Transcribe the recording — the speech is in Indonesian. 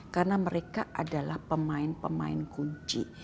karena mereka adalah pemain pemain kunci